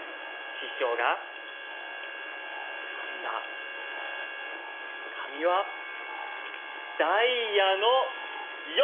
師匠がかんだ紙はダイヤの４！